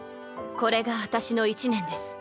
これが私の１年です。